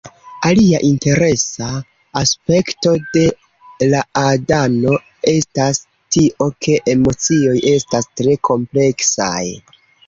Alia interesa aspekto de Láadano estas tio ke emocioj estas tre kompleksaj